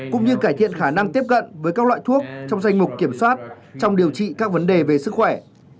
cũng như cải thiện khả năng tiếp cận với các loại thuốc trong danh mục kiểm soát trong điều trị các vấn đề về sức khỏe